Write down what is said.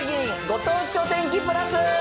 ご当地お天気プラス。